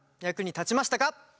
役に立ちましたか？